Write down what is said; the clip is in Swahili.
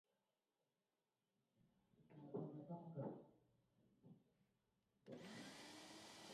Wasuni lakini pia Washia Ndiyo dini rasmi Wakristo ni zaidi ya lakini